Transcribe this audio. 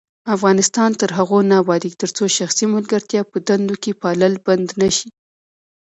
افغانستان تر هغو نه ابادیږي، ترڅو شخصي ملګرتیا په دندو کې پالل بند نشي.